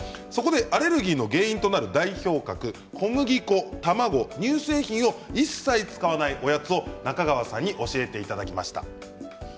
アレルギーの原因となる代表格小麦粉、卵、乳製品を一切使わないおやつを中川さんに教えていただきました。